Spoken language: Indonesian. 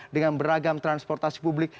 dengan beragam transportasi publik